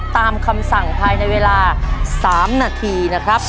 ตามคำสั่งภายในเวลา๓นาทีนะครับ